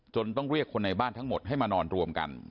ต้องเรียกคนในบ้านทั้งหมดให้มานอนรวมกัน